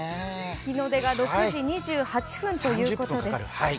日の出が６時２８分ということです。